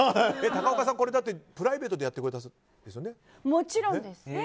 高岡さん、これプライベートでやってくれたんですよね？